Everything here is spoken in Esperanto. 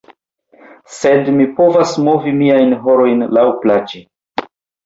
Sed mi povas movi miajn horojn laŭ plaĉe